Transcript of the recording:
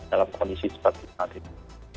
dalam kondisi seperti saat ini